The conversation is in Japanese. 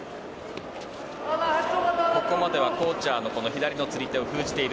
ここまではコーチャーの左の釣り手を封じている。